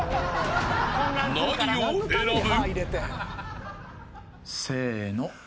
何を選ぶ。